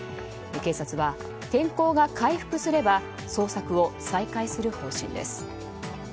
警察は天候が回復すれば捜索を再開する方針です。